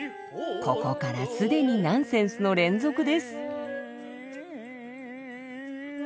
ここから既にナンセンスの連続です。